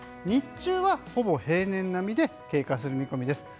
日中はほぼ平年並みで経過する見込みです。